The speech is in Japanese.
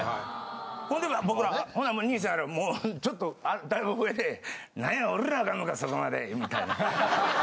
ほんで僕らが兄さんらもうちょっとだいぶ上で「なんや下りなあかんのかそこまで」みたいな。